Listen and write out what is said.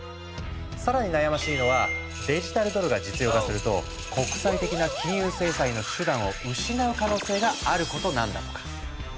更に悩ましいのはデジタルドルが実用化すると国際的な金融制裁の手段を失う可能性があることなんだとか。